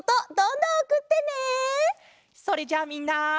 それじゃあみんな。